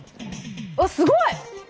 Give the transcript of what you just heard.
わっすごい！